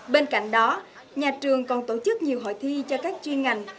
bên cạnh đó nhà trường còn tổ chức nhiều hội thi cho các chuyên ngành